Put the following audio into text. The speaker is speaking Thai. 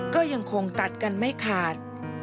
ก็ยังคงตัดกันไม่ขาด